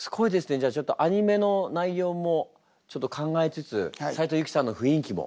じゃあちょっとアニメの内容もちょっと考えつつ斉藤由貴さんの雰囲気も？